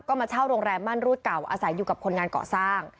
ก็มาเช่าโรงแรมมั่นรูดเก่าอาศัยอยู่กับคนงานก่อสร้าง